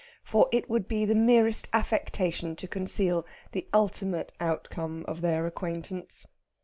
For it would be the merest affectation to conceal the ultimate outcome of their acquaintance.